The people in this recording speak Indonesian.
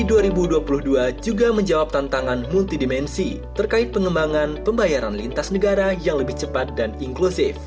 di dua ribu dua puluh dua juga menjawab tantangan multidimensi terkait pengembangan pembayaran lintas negara yang lebih cepat dan inklusif